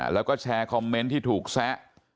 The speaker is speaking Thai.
แล้วก็แชร์คอมเมนต์ที่ถูกแซะ